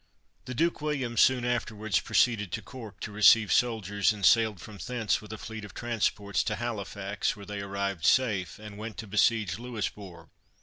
The Duke William soon afterwards proceeded to Cork to receive soldiers, and sailed from thence with a fleet of transports to Halifax, where they arrived safe, and went to besiege Louisbourg.